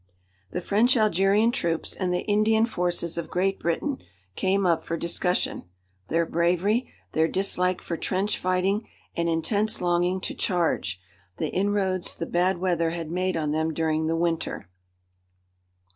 The French Algerian troops and the Indian forces of Great Britain came up for discussion, their bravery, their dislike for trench fighting and intense longing to charge, the inroads the bad weather had made on them during the winter.